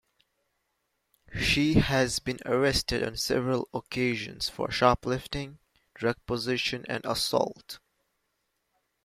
She has been arrested on several occasions for shoplifting, drug possession and assault.